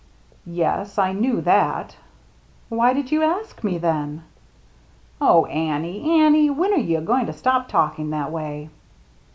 "Yes, I knew that" "Why did you ask me, then ?"" Oh, Annie, Annie ! When are you going to stop talking that way